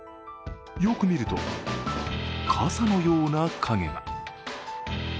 よく見ると、傘のような影が。